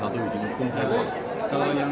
hal yang kita tahu sekarang sudah terbuka di media